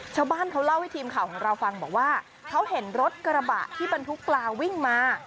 ชาวบ้านเขาเล่าให้ทีมข่าวของเราฟังบอกว่าเขาเห็นรถกระบะที่บรรทุกปลาวิ่งมา